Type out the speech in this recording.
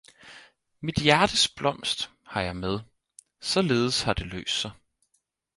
Mit hjertes blomst har jeg med, saaledes har det løst sig